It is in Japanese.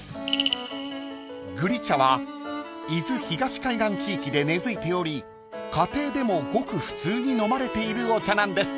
［ぐり茶は伊豆東海岸地域で根付いており家庭でもごく普通に飲まれているお茶なんです］